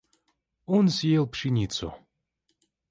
Он сеял пшеницу.